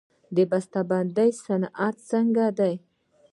د بسته بندۍ صنعت څنګه دی؟